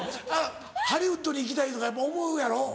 ハリウッドに行きたいとかやっぱ思うやろ？